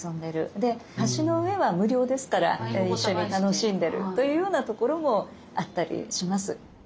で橋の上は無料ですから一緒に楽しんでるというようなところもあったりします。